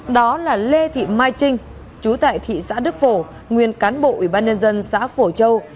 đó là lê thị mai trinh chú tại thị xã đức phổ nguyên cán bộ ủy ban nhân dân xã phổ châu